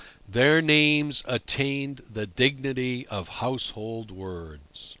Their names attained the dignity of household words.